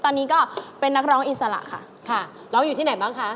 ตอนนี้ก็เป็นนักร้องอิสระค่ะค่ะร้องอยู่ที่ไหนบ้างคะ